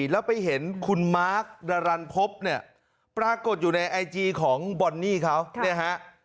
แล้วไปเห็นคุณมาร์คดารันพบเนี่ยปรากฏอยู่ในไอจีของบอนนี่เขาเนี่ยฮะ